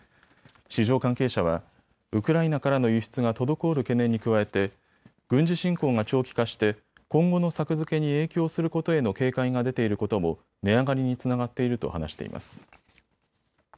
市場関係者はウクライナからの輸出が滞る懸念に加えて軍事侵攻が長期化して今後の作付けに影響することへの警戒が出ていることも値上がりにつながっていると話しています。